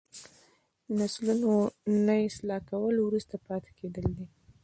د نسلونو نه اصلاح کول وروسته پاتې کیدل دي.